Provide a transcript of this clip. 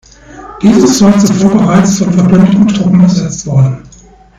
Dieses war zuvor bereits von verbündeten Truppen besetzt worden.